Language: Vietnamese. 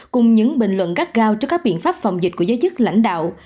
cùng những bình luận gắt gao cho các biện pháp phòng dịch của giới chức lãnh đạo